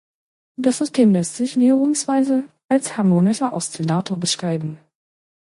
Das System lässt sich näherungsweise als harmonischer Oszillator beschreiben.